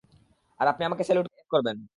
আর আপনি আমাকে স্যালুট করবেন।